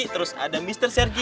terus ada mr sergi